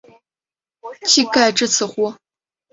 技盖至此乎？